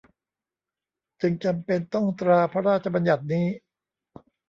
จึงจำเป็นต้องตราพระราชบัญญัตินี้